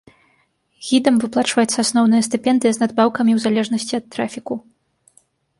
Гідам выплачваецца асноўная стыпендыя з надбаўкамі ў залежнасці ад трафіку.